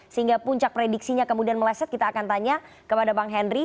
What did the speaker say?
sehingga puncak prediksinya kemudian meleset kita akan tanya kepada bang henry